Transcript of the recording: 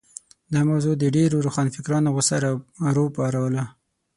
دا موضوع د ډېرو روښانفکرانو غوسه راوپاروله.